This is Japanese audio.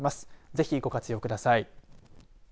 ぜひご活用ください。